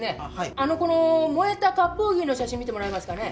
あのこの燃えた割烹着の写真見てもらえますかね